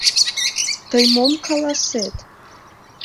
— Тый мом каласет?